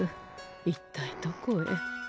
一体どこへ。